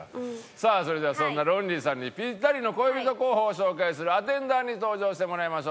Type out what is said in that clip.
さあそれではそんなロンリーさんにピッタリの恋人候補を紹介するアテンダーに登場してもらいましょう。